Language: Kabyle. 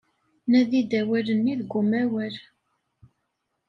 Nadi-d awal-nni deg umawal.